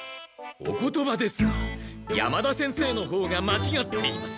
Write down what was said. お言葉ですが山田先生のほうがまちがっています！